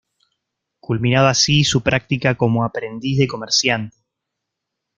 Culminaba así su práctica como aprendiz de comerciante.